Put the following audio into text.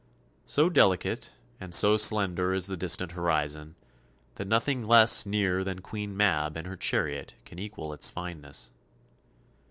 So delicate and so slender is the distant horizon that nothing less near than Queen Mab and her chariot can equal its fineness.